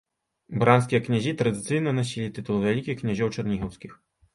Бранскія князі традыцыйна насілі тытул вялікіх князёў чарнігаўскіх.